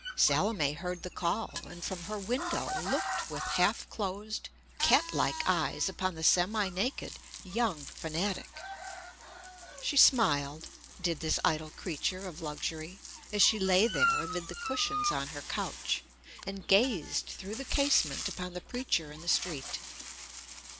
Salome heard the call and from her window looked with half closed, catlike eyes upon the semi naked, young fanatic. She smiled, did this idle creature of luxury, as she lay there amid the cushions on her couch, and gazed through the casement upon the preacher in the street.